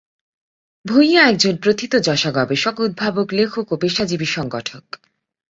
ভূঁইয়া একজন প্রথিতযশা গবেষক, উদ্ভাবক, লেখক ও পেশাজীবী সংগঠক।